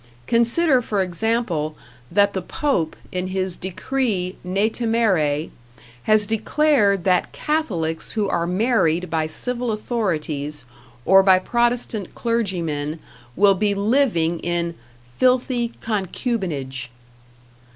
Consider for example, that the Pope, in his decree #Ne Temere#, has declared that Catholics who are married by civil authorities or by Protestant clergymen will be living in "filthy concubinage"!